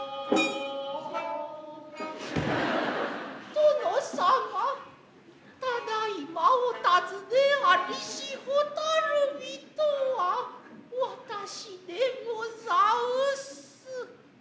殿様ただいまおたづねありし蛍火とは私でござんす。